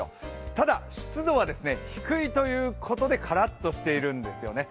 ただ湿度は低いということでからっとしているんですね。